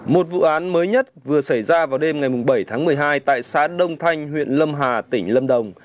một vụ án mới nhất vừa xảy ra vào đêm ngày bảy tháng một mươi hai tại xã đông thanh huyện lâm hà tỉnh lâm đồng